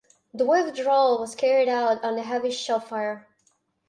The withdrawal was carried out under heavy shellfire.